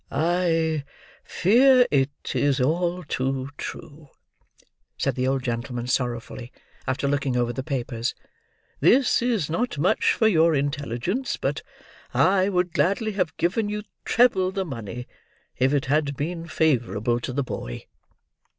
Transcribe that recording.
"I fear it is all too true," said the old gentleman sorrowfully, after looking over the papers. "This is not much for your intelligence; but I would gladly have given you treble the money, if it had been favourable to the boy."